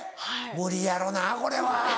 無理やろなぁこれは。